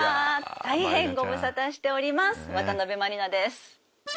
大変ご無沙汰しております渡辺満里奈です。